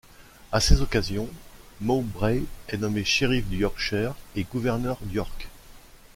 À ces occasions, Mowbray est nommé shérif du Yorkshire et gouverneur d'York.